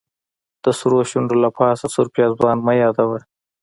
د سرو شونډو له پاسه سور پېزوان مه یادوه.